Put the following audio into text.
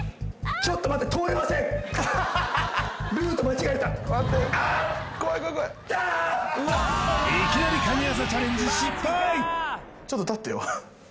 ちょっと立ってよ